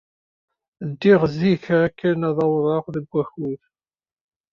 Ddiɣ zik akken ad awḍeɣ deg wakud.